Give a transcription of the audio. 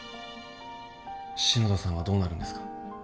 篠田さんはどうなるんですか？